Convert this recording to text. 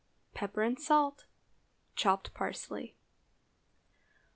Pepper and salt. Chopped parsley.